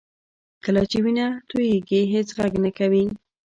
کله چې وینه تویېږي هېڅ غږ نه کوي